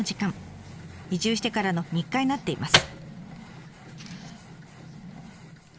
移住してからの日課になっています。